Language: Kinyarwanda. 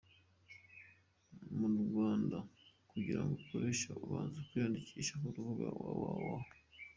Mu Rwanda kugira ngo urikoreshe ubanza kwiyandikisha ku rubuga www.